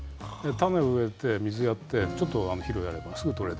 種を植えて、水やって、ちょっと肥料やれば、すぐ取れる。